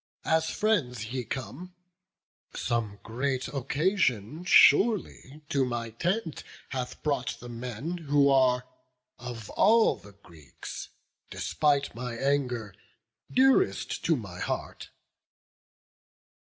as friends ye come: Some great occasion surely to my tent Hath brought the men who are, of all the Greeks, Despite my anger, dearest to my heart."